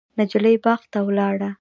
نجلۍ باغ ته ولاړه.